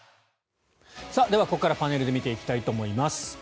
ではここからパネルで見ていきたいと思います。